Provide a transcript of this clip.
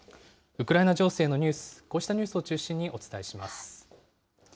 ウクライナ情勢のニュース、こうしたニュースを中心にお伝えします。